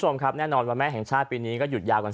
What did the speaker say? แน่นอนวันแม่แห่งชาติปีนี้ก็หยุดยาวกัน๓วัน